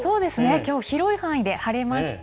きょう、広い範囲で晴れました。